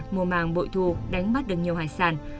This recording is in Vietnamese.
mùa màng bội thu đánh bắt được nhiều hải sản